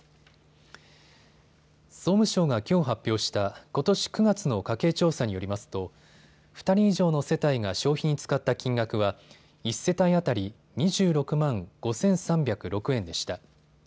総務省がきょう発表したことし９月の家計調査によりますと２人以上の世帯が消費に使った金額は１世帯当たり２６万５３０６円でした。